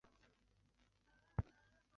每周三和周六举办集市。